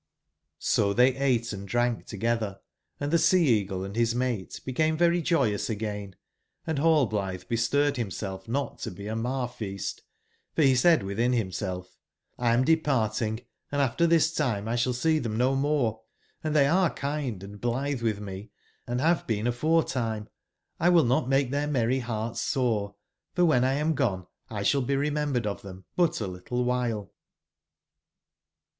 O tbey ate and drank togetber, and tbe Sea eagle and bis mate became very joyous again, and Rallblitbe bestirred bimself not to be a mar/feast; for be said witbin bimself: ''X am de parting, andaftertbistimelsball seetbem nomore; and tbey are kind and blitbe witb me, and bave been aforetime; X will not make tbeir merry bearts sore, for wben X am gone X sball be remembered of tbem but a little wbile."